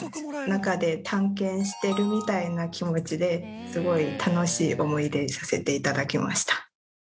中で探検してるみたいな気持ちですごい楽しい思い出にさせて頂きました。